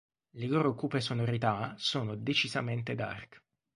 Le loro cupe sonorità sono decisamente dark.